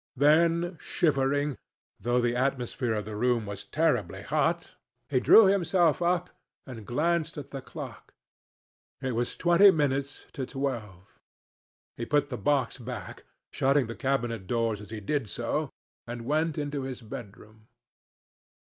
Then shivering, though the atmosphere of the room was terribly hot, he drew himself up and glanced at the clock. It was twenty minutes to twelve. He put the box back, shutting the cabinet doors as he did so, and went into his bedroom.